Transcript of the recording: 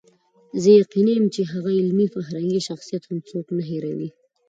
زه یقیني یم چې د هغه علمي فرهنګي شخصیت هم څوک نه هېروي.